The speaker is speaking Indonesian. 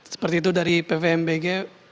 seperti itu dari ppmbg